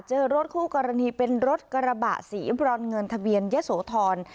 เจอรถคู่กรณีเป็นรถกระบะสีบรอนเงินทะเบียนยะโสธร